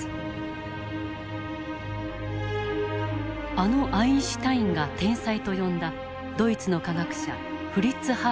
あのアインシュタインが天才と呼んだドイツの科学者フリッツ・ハーバー博士。